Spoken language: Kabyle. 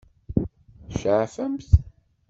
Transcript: Tceɛfemt?